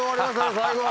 最後。